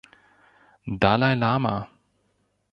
Dalai Lama.